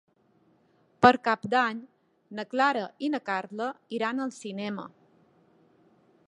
Per Cap d'Any na Clara i na Carla iran al cinema.